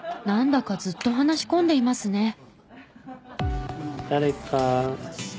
なんだかずっと話し込んでいますね。